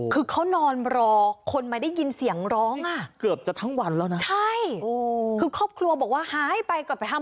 คือเขานอนรอคนไม่ได้ยินเสียงร้องอะ